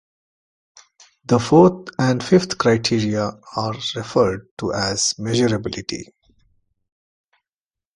The fourth and fifth criteria are referred to as Measurability.